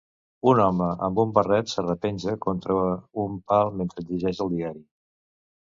Un home amb un barret s'arrepenja contra un pal mentre llegeix el diari.